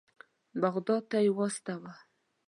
بغداد ته یې واستاوه.